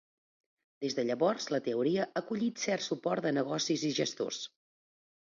Des de llavors la teoria ha collit cert suport de negocis i gestors.